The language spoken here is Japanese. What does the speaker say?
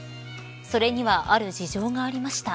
それにはある事情がありました。